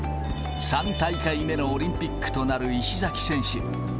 ３大会目のオリンピックとなる石崎選手。